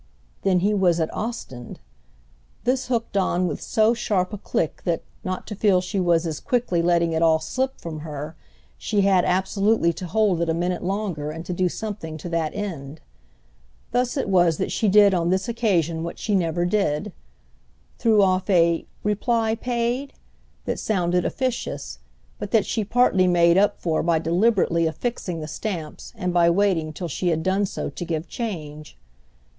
Then he was at Ostend. This hooked on with so sharp a click that, not to feel she was as quickly letting it all slip from her, she had absolutely to hold it a minute longer and to do something to that end. Thus it was that she did on this occasion what she never did—threw off a "Reply paid?" that sounded officious, but that she partly made up for by deliberately affixing the stamps and by waiting till she had done so to give change.